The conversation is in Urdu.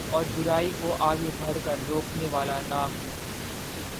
اور برائی کوآگے بڑھ کر روکنے والا نہ ہو